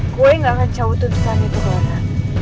gue gak akan cabut untuk tani tuh mona